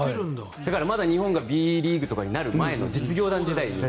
だからまだ日本がＢリーグとかになる前の実業団時代に。